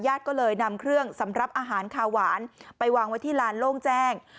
ก็เลยนำเครื่องสำหรับอาหารคาหวานไปวางไว้ที่ลานโล่งแจ้ง